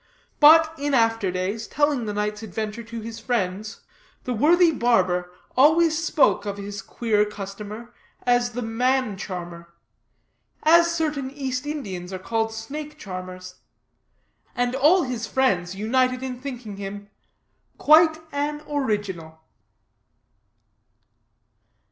But in after days, telling the night's adventure to his friends, the worthy barber always spoke of his queer customer as the man charmer as certain East Indians are called snake charmers and all his friends united in thinking him QUITE AN ORIGINAL.